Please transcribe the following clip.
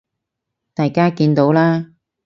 大家見到啦